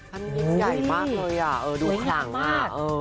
อันนี้ใหญ่มากเลยอ่ะดูขลังมาก